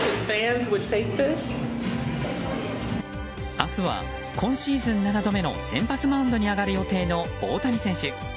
明日は今シーズン７度目の先発マウンドに上がる予定の大谷選手。